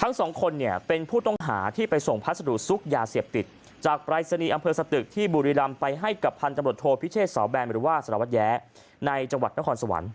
ทั้งสองคนเนี่ยเป็นผู้ต้องหาที่ไปส่งพัสดุซุกยาเสพติดจากปรายศนีย์อำเภอสตึกที่บุรีรำไปให้กับพันตำรวจโทพิเชษสาวแบนหรือว่าสารวัตรแย้ในจังหวัดนครสวรรค์